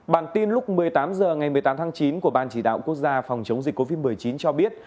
bản tin lúc một mươi tám h ngày một mươi tám tháng chín của ban chỉ đạo quốc gia phòng chống dịch covid một mươi chín cho biết